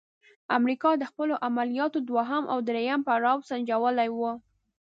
امریکا د خپلو عملیاتو دوهم او دریم پړاو سنجولی وو.